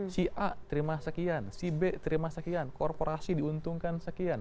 si a terima sekian si b terima sekian korporasi diuntungkan sekian